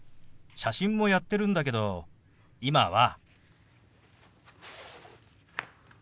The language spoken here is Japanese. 写真もやってるんだけど今は。